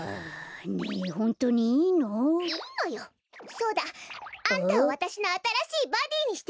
そうだあんたをわたしのあたらしいバディにしてあげる。